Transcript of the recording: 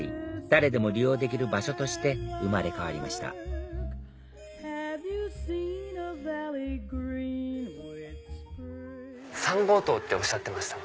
誰でも利用できる場所として生まれ変わりました３号棟っておっしゃってました